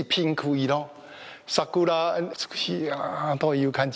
桜、美しいなという感じ。